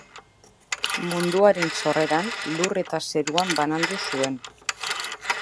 Munduaren sorreran lur eta zeruan banandu zuen.